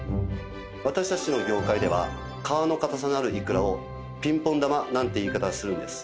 私たちの業界では皮の硬さのあるいくらを「ピンポン玉」なんていう言い方をするんです。